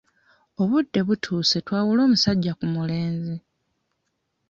Obudde butuuse twawule omusajja ku mulenzi.